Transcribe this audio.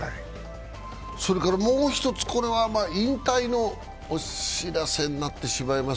もう１つこれは引退のお知らせになってしまいます。